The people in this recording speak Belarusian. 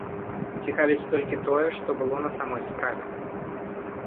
Цікавіць толькі тое, што было на самой справе.